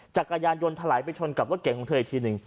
จักรยานยนต์ถลายไปชนกับรถเก่งของเธออีกทีหนึ่ง